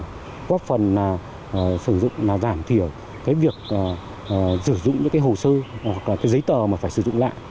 góp phần sử dụng là giảm thiểu cái việc sử dụng những cái hồ sơ hoặc là cái giấy tờ mà phải sử dụng lại